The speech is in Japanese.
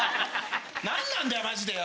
何なんだよマジでよ。